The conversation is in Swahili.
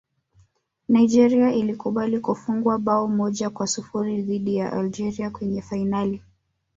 nigeria ilikubali kufungwa bao moja kwa sifuri dhidi ya algeria kwenye fainali